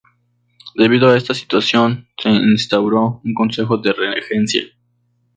Debido a esta situación, se instauró un Consejo de Regencia.